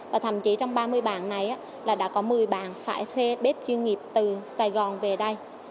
và thậm chí trong ba mươi bạn này là đã có một mươi bạn phải thuê bếp chuyên nghiệp từ sài gòn về đây